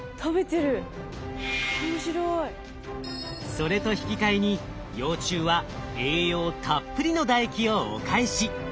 それと引き換えに幼虫は栄養たっぷりの唾液をお返し。